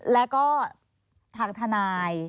แล้วก็ทางทนาย